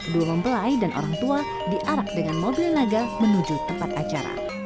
dua mempelai dan orang tua diarak dengan mobil naga menuju tempat acara